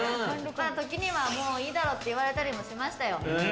時には、もういいだろって言われたりもしましたよ。